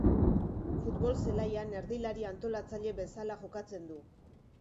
Futbol zelaian, erdilari antolatzaile bezala jokatzen du.